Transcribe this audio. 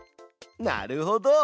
なるほど！